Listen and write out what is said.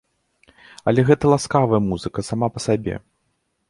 Але гэта ласкавая музыка сама па сабе.